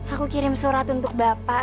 aku kirim surat untuk bapak